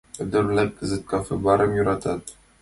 — Ӱдыр-влак кызыт кафе-барым йӧратат.